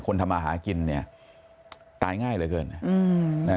ทำมาหากินเนี่ยตายง่ายเหลือเกิน